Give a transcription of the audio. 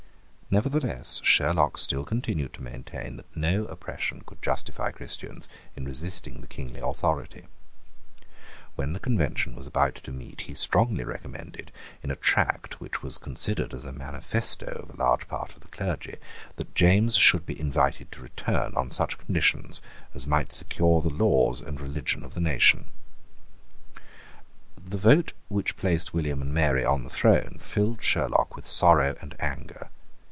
Nevertheless Sherlock still continued to maintain that no oppression could justify Christians in resisting the kingly authority. When the Convention was about to meet, he strongly recommended, in a tract which was considered as the manifesto of a large part of the clergy, that James should be invited to return on such conditions as might secure the laws and religion of the nation, The vote which placed William and Mary on the throne filled Sherlock with sorrow and anger.